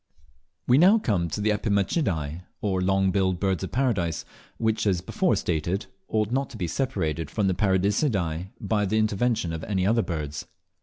We now come to the Epimachidae, or Long billed Birds of Paradise, which, as before stated, ought not to be separated from the Paradiseidae by the intervention of any other birds.